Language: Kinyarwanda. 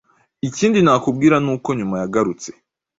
Ikindi nakubwira ni uko nyuma yagarutse